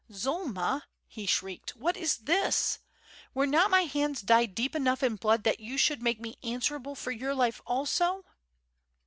"Zulma," he shrieked, "what is this? Were not my hands dyed deep enough in blood that you should make me answerable for your life also?"